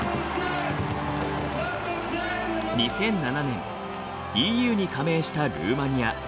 ２００７年ＥＵに加盟したルーマニア。